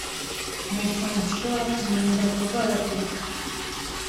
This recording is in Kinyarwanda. ni ikintu gishobora kumurinda kurwaragurika